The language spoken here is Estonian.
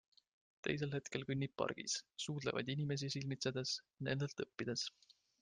Teisel hetkel kõnnib pargis, suudlevaid inimesi silmitsedes, nendelt õppides.